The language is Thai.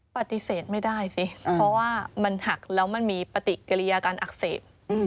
ปฏิเสธไม่ได้สิเพราะว่ามันหักแล้วมันมีปฏิกิริยาการอักเสบ